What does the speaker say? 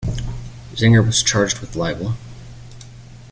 Zenger was charged with libel.